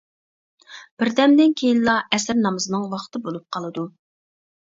بىردەمدىن كېيىنلا ئەسىر نامىزىنىڭ ۋاقتى بولۇپ قالىدۇ.